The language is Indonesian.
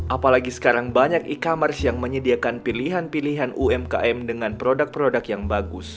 apalagi sekarang banyak e commerce yang menyediakan pilihan pilihan umkm dengan produk produk yang bagus